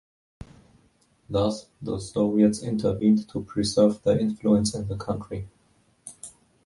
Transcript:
Thus, the Soviets intervened to preserve their influence in the country.